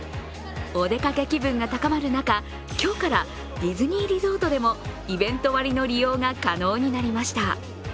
お出かけ気分が高まる中、今日からディズニーリゾートでもイベント割の利用が可能になりました。